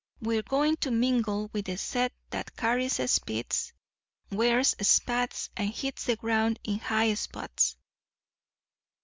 We're going to mingle with the set that carries a Spitz, wears spats, and hits the ground in high spots.